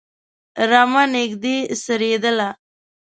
رمه نږدې څرېدله.